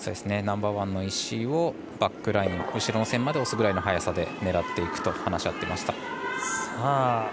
ナンバーワンの石をバックライン後ろの線まで押すぐらいの速さで狙っていくと話していました。